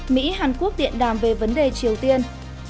mỹ hàn quốc điện đàm về vấn đề triều tiên